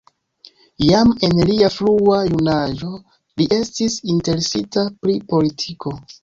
Jam en lia frua junaĝo li estis interesita pri politiko.